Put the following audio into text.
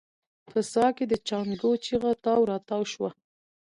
په څاه کې د جانکو چيغه تاو راتاو شوه.